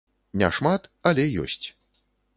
Не шмат, але ёсць.